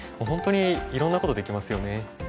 本当にいろんなことできますよね。